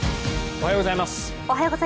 おはようございます。